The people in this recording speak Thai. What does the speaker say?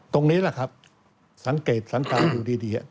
ตรงนี้นะครับสังเกตสังตาลดูดี